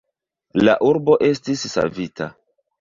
La urbo estis savita.